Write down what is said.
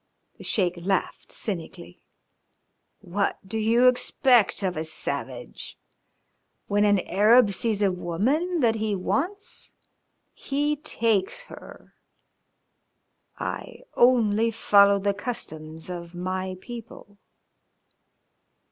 The Sheik laughed cynically. "What do you expect of a savage? When an Arab sees a woman that he wants he takes her. I only follow the customs of my people."